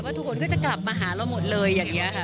ทุกคนก็จะกลับมาหาเราหมดเลยอย่างนี้ค่ะ